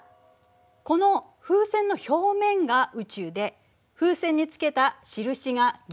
この風船の表面が宇宙で風船につけた印が銀河だと思ってね。